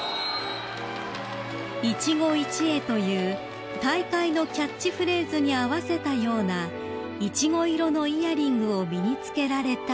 ［「いちご一会」という大会のキャッチフレーズに合わせたようなイチゴ色のイヤリングを身に着けられた佳子さま］